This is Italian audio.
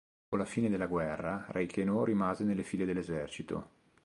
Dopo la fine della guerra, Reichenau rimase nelle file dell'esercito.